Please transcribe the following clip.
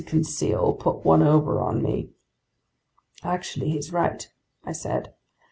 Conseil put one over on me!" "Actually he's right," I said.